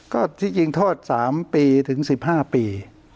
ก็ที่จริงโทษ๓ปีถึง๑๕ปี